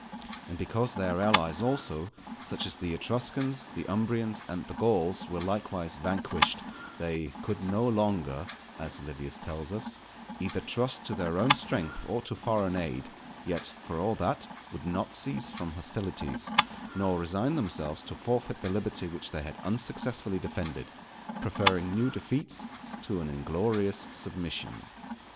And because their allies also, such as the Etruscans, the Umbrians, and the Gauls, were likewise vanquished, they "could now no longer" as Livius tells us, "_either trust to their own strength or to foreign aid; yet, for all that, would not cease from hostilities, nor resign themselves to forfeit the liberty which they had unsuccessfully defended, preferring new defeats to an inglorious submission.